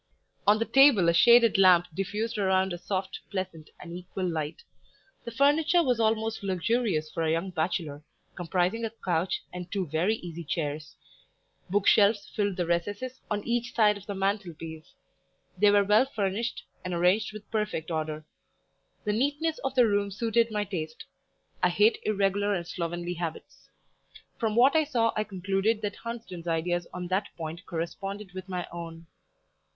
On the table a shaded lamp diffused around a soft, pleasant, and equal light; the furniture was almost luxurious for a young bachelor, comprising a couch and two very easy chairs; bookshelves filled the recesses on each side of the mantelpiece; they were well furnished, and arranged with perfect order. The neatness of the room suited my taste; I hate irregular and slovenly habits. From what I saw I concluded that Hunsden's ideas on that point corresponded with my own.